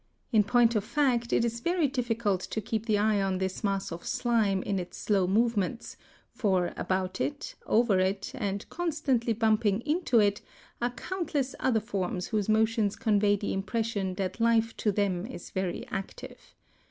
In point of fact, it is very difficult to keep the eye on this mass of slime in its slow movements, for about it, over it, and constantly bumping into it are countless other forms whose motions convey the impression that life to them is very active.